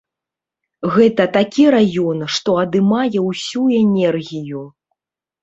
Гэта такі раён, што адымае ўсю энергію.